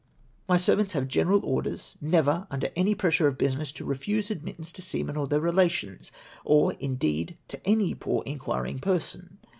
" My servants have general orders, never, under any pressure of business, to refuse admittance to seamen or their relations, or, indeed, to any poor inquiring person.